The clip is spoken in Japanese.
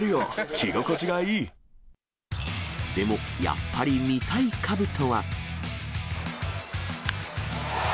着心地がいでも、やっぱり見たいかぶとは。